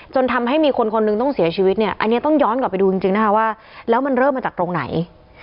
จนทำให้มีคนคนหนึ่งต้องเสียชีวิตเนี่ยอันนี้ต้องย้อนกลับไปดูจริงนะคะว่าแล้วมันเริ่มมาจากตรงไหน